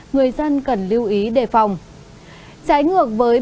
người dân cần lưu ý đề phòng